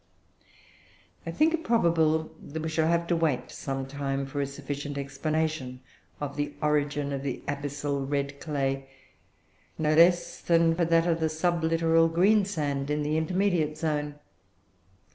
I think it probable that we shall have to wait some time for a sufficient explanation of the origin of the abyssal red clay, no less than for that of the sublittoral greensand in the intermediate zone.